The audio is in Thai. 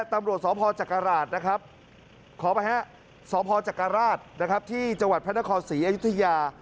ตรวจสจักราศที่จังหวัดพระนครศรีอยุธยา